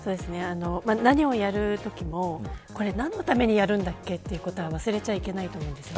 何をやるときも何のためにやるんだっけということは忘れちゃいけないと思います。